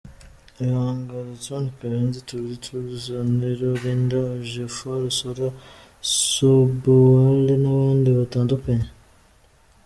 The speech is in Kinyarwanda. I Abaga, Dotun Kayode, Tolu ‘Toolz’ Oniru, Linda Ejiofor, Sola Sobowale n’abandi batandukanye.